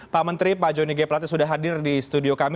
pak menteri pak joni g plate sudah hadir di studio kami